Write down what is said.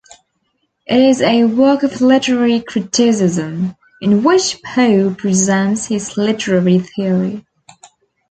It is a work of literary criticism, in which Poe presents his literary theory.